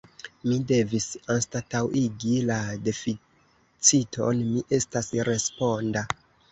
Mi devis anstataŭigi la deficiton: mi estas responda.